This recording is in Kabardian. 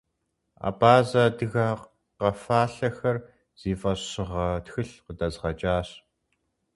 «Абазэ-адыгэ къэфалъэхэр» зи фӀэщыгъэ тхылъ къыдэзгъэкӀащ.